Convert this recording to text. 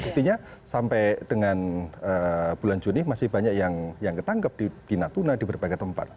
artinya sampai dengan bulan juni masih banyak yang ketangkep di natuna di berbagai tempat